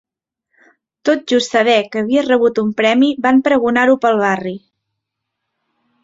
Tot just saber que havies rebut un premi van pregonar-ho pel barri.